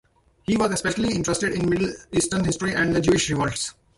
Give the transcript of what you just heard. He was especially interested in Middle Eastern history and the Jewish Revolts.